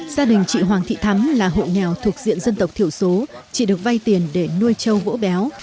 gia đình chị hoàng thị thắm là hộ nghèo thuộc diện dân tộc thiểu số chỉ được vay tiền để nuôi trâu vỗ béo